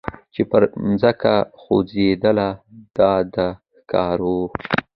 چي پر مځکه خوځېدله د ده ښکار وو